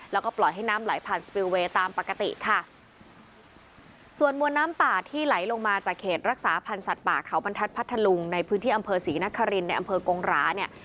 แล้วก็ปล่อยให้น้ำไหลผ่านสปิลเวย์ตามปกติค่ะส่วนมวลน้ำป่าที่ไหลลงมาจากเขตรักษาพันธ์สัตว์ป่าเขาบรรทัศนพัทธลุงในพื้นที่อำเภอศรีนครินในอำเภอกงหราเนี่ย